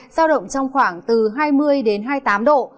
giao động trong khoảng từ hai mươi đến hai mươi tám độ